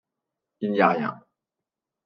il n'y a rien